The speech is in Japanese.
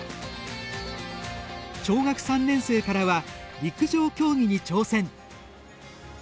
小学３年生からは陸上競技に挑戦。